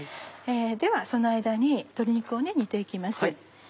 ではその間に鶏肉を煮て行きます。